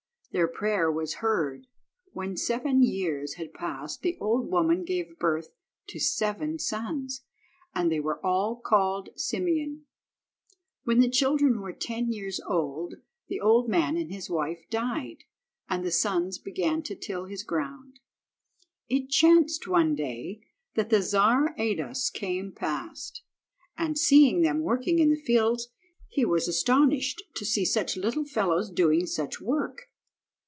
Their prayer was heard. When seven years had passed the old woman gave birth to seven sons, and they were all called Simeon. When the children were ten years old the old man and his wife died, and the sons began to till his ground. It chanced that one day the Czar Ados came past, and, seeing them working in the fields, he was astonished to see such little fellows doing such work.